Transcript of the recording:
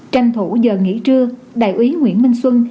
tranh thủ giờ nghỉ trưa đại úy nguyễn minh xuân